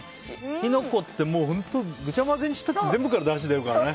キノコってぐちゃ混ぜにして全部からだしが出るからね。